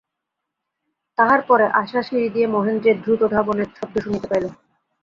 তাহার পরে আশা সিঁড়ি দিয়া মহেন্দ্রের দ্রুতধাবনের শব্দ শুনিতে পাইল।